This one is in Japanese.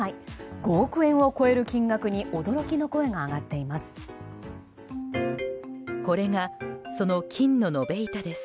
５億円を超える金額に驚きの声が上がっています。